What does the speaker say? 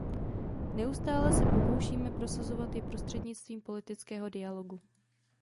Neustále se pokoušíme prosazovat je prostřednictvím politického dialogu.